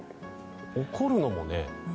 怒るのもね。